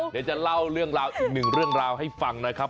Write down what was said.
เดี๋ยวจะเล่าเรื่องราวอีกหนึ่งเรื่องราวให้ฟังนะครับ